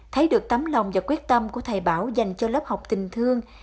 thấy được tấm lòng và quyết tâm của thầy bảo dành cho lớp học tình thương